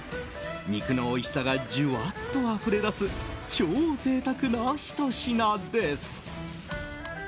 肉のおいしさが、ジュワッとあふれ出す超贅沢なひと品です。